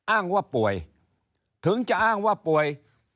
อ้างว่าป่วยถึงจะอ้างว่าป่วย